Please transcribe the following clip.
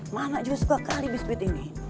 mana juga suka kali biskuit ini